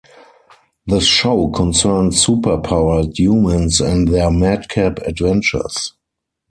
The show concerned super-powered humans and their madcap adventures.